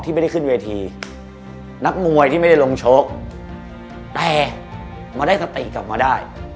ไม่ได้ขึ้นเวทีนักมวยที่ไม่ได้ลงชกแต่มาได้สติกลับมาได้